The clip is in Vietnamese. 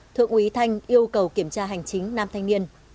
thượng úy thanh yêu cầu kiểm tra hành chính nam thanh niên